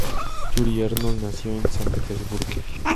Yuri Arnold nació en San Petersburgo.